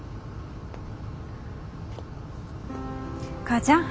母ちゃん。